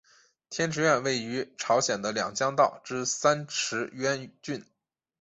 天池院位于朝鲜的两江道之三池渊郡。